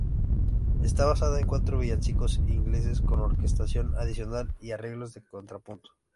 Está basado en cuatro villancicos ingleses, con orquestación adicional y arreglos de contrapunto.